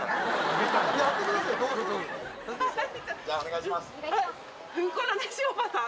じゃあお願いします